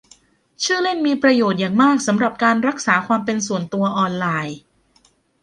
ชื่อเล่นมีประโยชน์อย่างมากสำหรับการรักษาความเป็นส่วนตัวออนไลน์